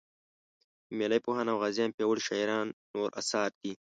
نومیالي پوهان او غازیان پیاوړي شاعران نور اثار دي.